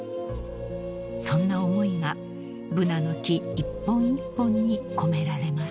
［そんな思いがブナの木一本一本に込められます］